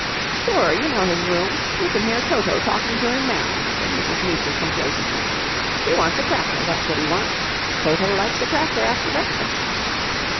"Sure. You know his room. You can hear Toto talking to him now," said Mrs. Meecher complacently. "He wants a cracker, that's what he wants. Toto likes a cracker after breakfast."